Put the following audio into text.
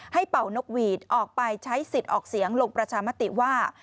เป่านกหวีดออกไปใช้สิทธิ์ออกเสียงลงประชามติว่า